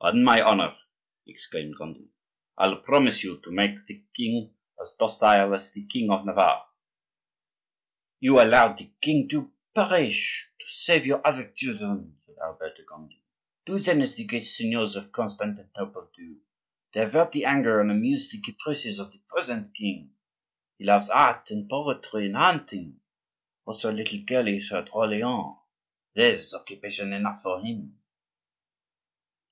"On my honor!" exclaimed Gondi, "I'll promise you to make the king as docile as the king of Navarre." "You allowed the late king to perish to save your other children," said Albert de Gondi. "Do, then, as the great signors of Constantinople do,—divert the anger and amuse the caprices of the present king. He loves art and poetry and hunting, also a little girl he saw at Orleans; there's occupation enough for him."